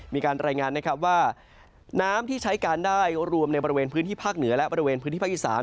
มีการรายงานนะครับว่าน้ำที่ใช้การได้รวมในบริเวณพื้นที่ภาคเหนือและบริเวณพื้นที่ภาคอีสาน